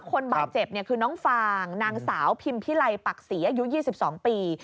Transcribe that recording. คนบาดเจ็บคือน้องฟางนางสาวพิมพิไลปักศรีอายุ๒๒ปี